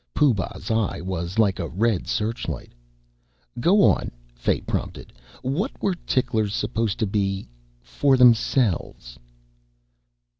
Pooh Bah's eye was like a red searchlight. "Go on," Fay prompted. "What were ticklers supposed to be for themselves?"